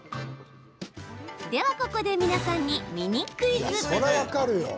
では、ここで皆さんにミニクイズ。